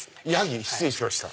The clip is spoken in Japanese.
失礼しました。